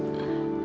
terima kasih eang